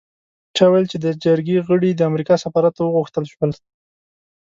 چا ویل چې د جرګې غړي د امریکا سفارت ته وغوښتل شول.